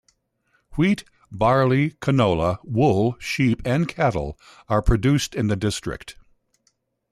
Wheat, barley, canola, wool, sheep and cattle are produced in the district.